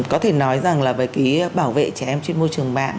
có thể nói rằng là với cái bảo vệ trẻ em trên môi trường mạng